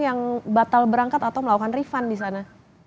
yang batal berangkat atau melakukan refund di sana